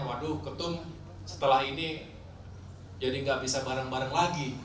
waduh ketum setelah ini jadi nggak bisa bareng bareng lagi